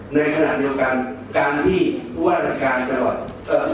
ในขณะเดียวกันการที่ภูมิธรรมดีกว่าอันตราการ